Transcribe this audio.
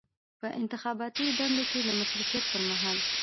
په انتخاباتي دندو کې د مصروفیت پر مهال.